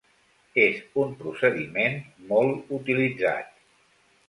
És un procediment molt utilitzat.